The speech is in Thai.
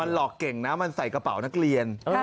หลอกเก่งนะมันใส่กระเป๋านักเรียน